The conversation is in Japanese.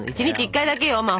１日１回だけよ